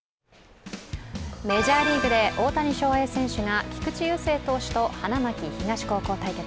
メジャーリーグで大谷翔平選手が菊池雄星投手と花巻東高校対決。